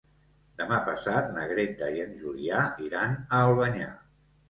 Demà passat na Greta i en Julià iran a Albanyà.